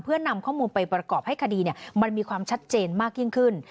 เพื่อนำข้อมูลไปประกอบให้คดีมันมีความชัดเจนมากยิ่งขึ้น